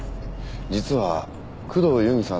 実は工藤由美さん